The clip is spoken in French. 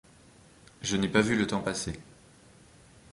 Je n'ai pas vu le temps passer...